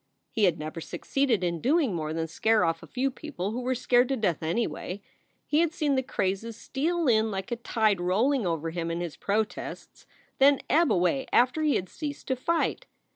He had never succeeded in doing more than scare off a few people who were scared to death, anyway. He had seen the crazes steal in like a tide rolling over him and his protests, then ebb away after he had ceased to fight.